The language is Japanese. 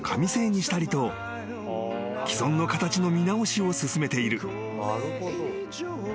［既存の形の見直しを進めている］